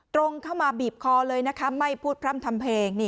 ตรงเข้ามาบีบคอเลยนะคะไม่พูดพร่ำทำเพลง